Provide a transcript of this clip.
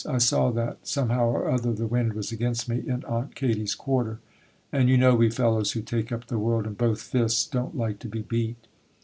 I saw that, somehow or other, the wind was against me in Aunt Katy's quarter, and you know we fellows who take up the world in both fists don't like to be beat.